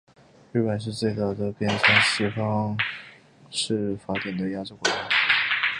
日本是最早编纂西方式法典的亚洲国家。